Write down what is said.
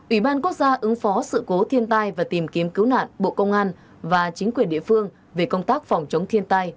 ủy ban quốc gia ứng phó sự cố thiên tai và tìm kiếm cứu nạn bộ công an và chính quyền địa phương về công tác phòng chống thiên tai